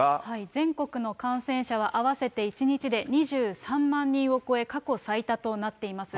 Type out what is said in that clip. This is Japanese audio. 全国の感染者は合わせて１日で２３万人を超え、過去最多となっています。